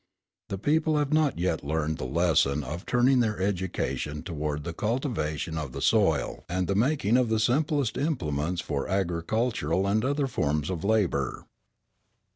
The people have not yet learned the lesson of turning their education toward the cultivation of the soil and the making of the simplest implements for agricultural and other forms of labour.